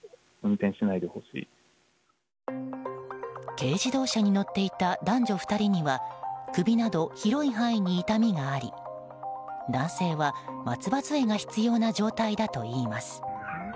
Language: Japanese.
軽自動車に乗っていた男女２人には首など広い範囲に痛みがあり男性は松葉杖が必要な状態だといいます。